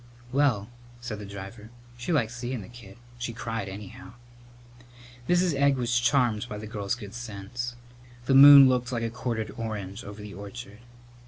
"Well," said the driver, "she liked seein' the kid. She cried, anyhow." Mrs. Egg was charmed by the girl's good sense. The moon looked like a quartered orange over the orchard.